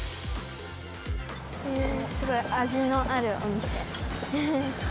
えすごい味のあるお店。